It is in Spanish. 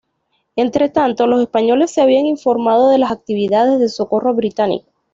Entretanto, los españoles se habían informado de las actividades de socorro británico.